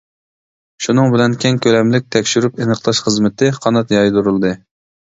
شۇنىڭ بىلەن كەڭ كۆلەملىك تەكشۈرۈپ ئېنىقلاش خىزمىتى قانات يايدۇرۇلدى.